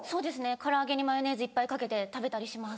唐揚げにマヨネーズいっぱいかけて食べたりします。